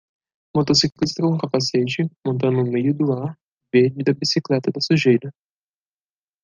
Motociclista com capacete, montando um meio do ar verde da bicicleta da sujeira.